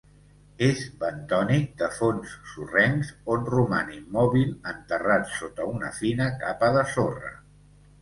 És bentònic de fons sorrencs on roman immòbil enterrat sota una fina capa de sorra.